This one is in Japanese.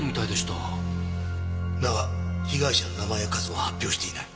だが被害者の名前や数は発表していない。